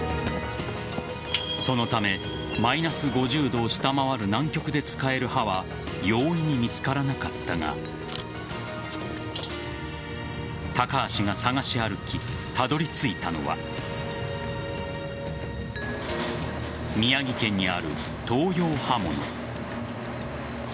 そのためマイナス５０度を下回る南極で使える刃は容易に見つからなかったが高橋が探し歩きたどり着いたのは宮城県にある東洋刃物。